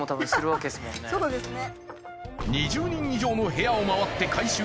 そうですね。